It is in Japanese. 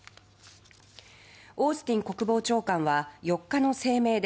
オースティン国防長官は４日の声明で